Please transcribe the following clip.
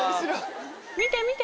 見て見て。